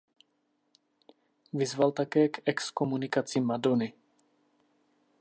Vyzval také k exkomunikaci Madonny.